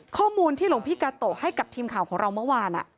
ข้อมูลที่หลวงพี่กาโตะให้กับทีมข่าวของเราเมื่อวาน